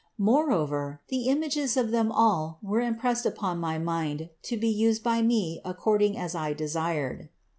Moreover the images of them all were impressed upon my mind to be used by me according as I desired.